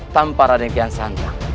tanpa raden kian santang